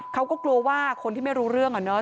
เขาก็กลัวว่าคนที่ไม่รู้เรื่องอะเนาะ